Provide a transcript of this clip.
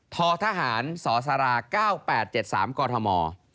ทธหารสสารา๙๘๗๓กม